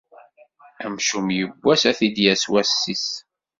Amcum yiwwas ad t-id-yas wass-is.